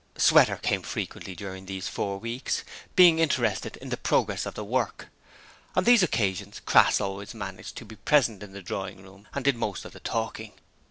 Sweater came frequently during these four weeks, being interested in the progress of the work. On these occasions Crass always managed to be present in the drawing room and did most of the talking.